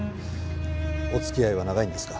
お付き合いは長いんですか？